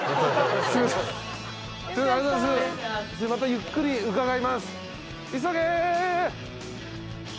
またゆっくり伺います。